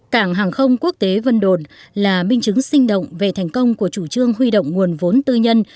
cảng hàng không quốc tế vân đồn là minh chứng sinh động về thành công của chủ trương huy động nguồn vốn tư nhân